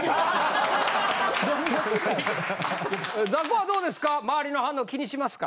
ザコはどうですか？